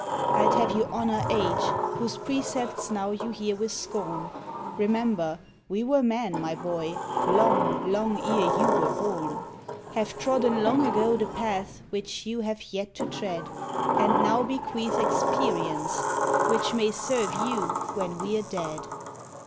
I'd have you honour age whose precepts now you hear with scorn, Remember! we were men, my boy, long, long ere you were born, Have trodden long ago the path which you have yet to tread, And now bequeath experience which may serve you when we're dead.